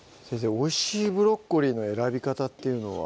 おいしいブロッコリーの選び方っていうのは？